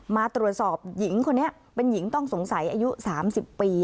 มาตรวจสอบหญิงคนนี้เป็นหญิงต้องสงสัยอายุ๓๐ปี